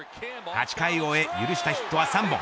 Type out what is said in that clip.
８回を終え許したヒットは３本。